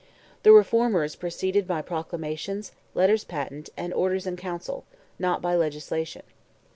The reformers proceeded by proclamations, letters patent, and orders in council, not by legislation.